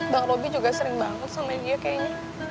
bang roby juga sering banget sama dia kayaknya